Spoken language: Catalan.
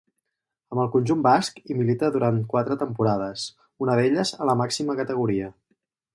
Amb el conjunt basc hi milita durant quatre temporades, una d'elles a la màxima categoria.